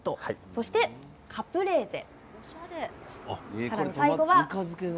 そしてカプレーゼ。